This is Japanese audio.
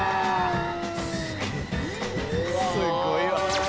すごいわ。